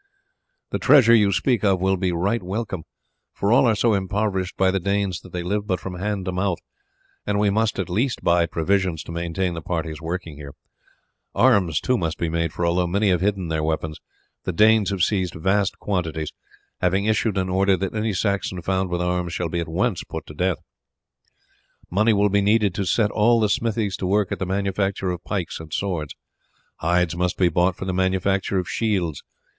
The treasure you speak of will be right welcome, for all are so impoverished by the Danes that they live but from hand to mouth, and we must at least buy provisions to maintain the parties working here. Arms, too, must be made, for although many have hidden their weapons, the Danes have seized vast quantities, having issued an order that any Saxon found with arms shall be at once put to death. Money will be needed to set all the smithies to work at the manufacture of pikes and swords. Hides must be bought for the manufacture of shields.